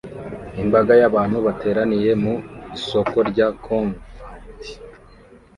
Imbaga y'abantu yateraniye mu isoko rya Covent